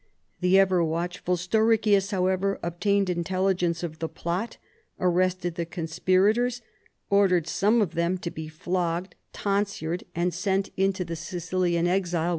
The ever watchful Stauracius, however, obtained intelligence of the plot, arrested Ihe conspirators, ordered some of them to be flogged, tonsured, and sent into the Sicilian exile 234 CHARLEMAGNE.